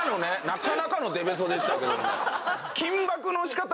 なかなかのデベソでしたけどもね